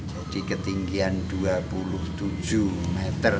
jadi ketinggian dua puluh tujuh meter